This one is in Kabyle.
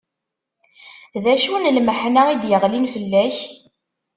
D acu n lmeḥna i d-yeɣlin fell-ak?